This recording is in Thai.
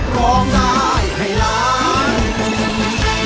ร้องได้ให้ล้าน